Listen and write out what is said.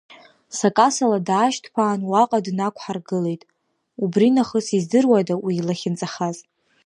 Сакасала даашьҭԥаан уаҟа днақәҳаргылеит, убри нахыс издыруада уи илахьынҵахаз?!